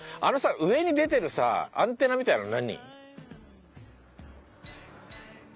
あのさ上に出てるさアンテナみたいなの何？